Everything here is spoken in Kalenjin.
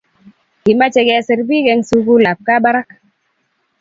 Kimache kesir pik en sukul ab kabarak